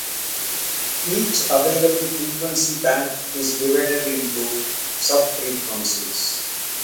Each available frequency band is divided into sub-frequencies.